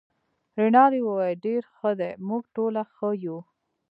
رینالډي وویل: ډیر ښه دي، موږ ټوله ښه یو.